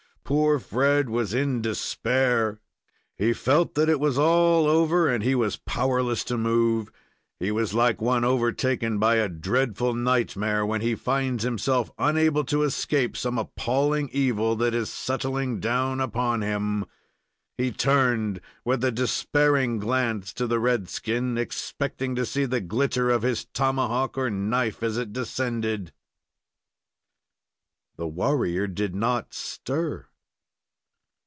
Poor Fred was in despair! He felt that it was all over, and he was powerless to move. He was like one overtaken by a dreadful nightmare, when he finds himself unable to escape some appalling evil that is settling down upon him. He turned, with a despairing glance, to the red skin, expecting to see the glitter of his tomahawk or knife as it descended. The warrior did not stir!